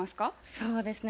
そうですね。